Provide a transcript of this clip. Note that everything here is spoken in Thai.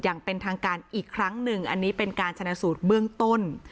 อย่างเป็นทางการอีกครั้งหนึ่งอันนี้เป็นการชนะสูตรเบื้องต้น